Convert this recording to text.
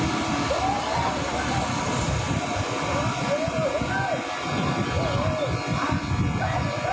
สวัสดีครับมีชาวของชาวอยู่ต่อมา